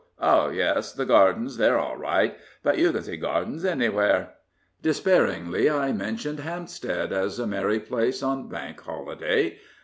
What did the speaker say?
Oh yes, the gardens; they're all right, but you can see gardens anywhere." Despairingly I mentioned Hampstead as a merry place on Bank Holiday.